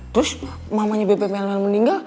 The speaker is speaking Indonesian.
terus mamanya bebek melmel meninggal